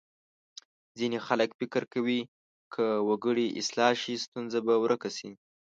ځینې خلک فکر کوي که وګړي اصلاح شي ستونزه به ورکه شي.